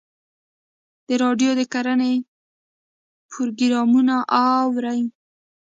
د راډیو د کرنې پروګرامونه اورئ؟